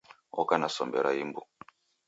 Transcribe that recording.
Oka na sombe ra imbu.